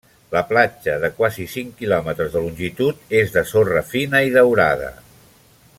La platja, de quasi cinc quilòmetres de longitud, és de sorra fina i daurada.